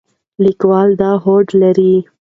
لیکوال دا هوډ لري.